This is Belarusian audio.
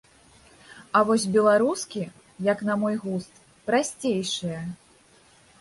А вось беларускі, як на мой густ, прасцейшыя.